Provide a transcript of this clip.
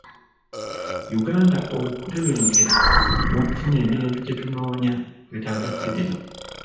Uganda okutebenkera n'okufuna emirembe gye tunoonya twetaaga Federo.